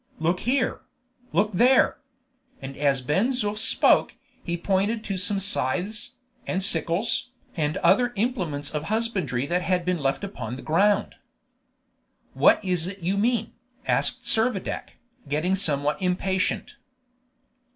Look here; look there!" And as Ben Zoof spoke, he pointed to some scythes, and sickles, and other implements of husbandry that had been left upon the ground. "What is it you mean?" asked Servadac, getting somewhat impatient.